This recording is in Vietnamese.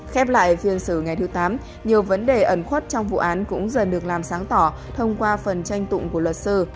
khép lại phiên xử ngày thứ tám nhiều vấn đề ẩn khuất trong vụ án cũng dần được làm sáng tỏ thông qua phần tranh tụng của luật sư